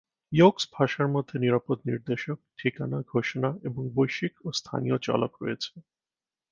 ইয়োক্স ভাষার মধ্যে নিরাপদ নির্দেশক, ঠিকানা, ঘোষণা এবং বৈশ্বিক ও স্থানীয় চলক রয়েছে।